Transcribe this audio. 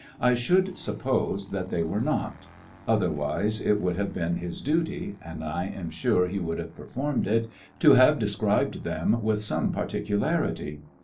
I should suppose that they were not; otherwise it would have been his duty — and I am sure he would have performed it — to have described them with some particularity.